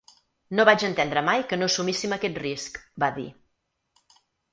“No vaig entendre mai que no assumíssim aquest risc”, va dir.